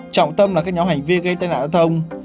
trọng tâm là các nhóm hành vi gây tai nạn giao thông